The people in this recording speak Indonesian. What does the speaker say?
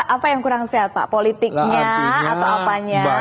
apa yang kurang sehat pak politiknya atau apanya